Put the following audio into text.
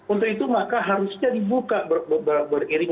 untuk itu maka harusnya dibuka beriringan